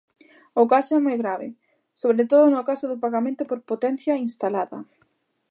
O caso é "moi grave", sobre todo no caso do pagamento por potencia instalada.